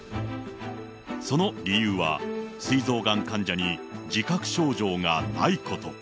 その理由は、すい臓がん患者に自覚症状がないこと。